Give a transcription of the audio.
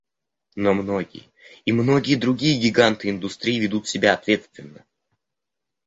Но многие и многие другие гиганты индустрии ведут себя ответственно.